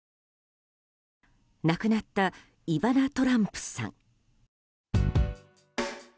亡くなったイバナ・トランプさん。